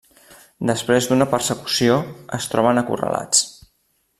Després d'una persecució, es troben acorralats.